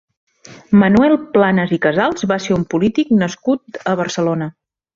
Manuel Planas i Casals va ser un polític nascut a Barcelona.